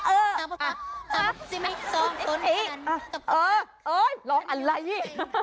เออเอ้ยร้องอะไรนี่